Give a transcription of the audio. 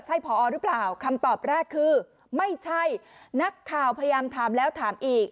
ใช่พอหรือเปล่าคำตอบแรกคือไม่ใช่นักข่าวพยายามถามแล้วถามอีก